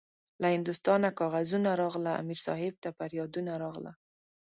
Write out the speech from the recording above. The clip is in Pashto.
له هندوستانه کاغذونه راغله- امیر صاحب ته پریادونه راغله